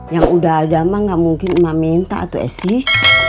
yang udah ada ma gak mungkin ma minta tuh es sih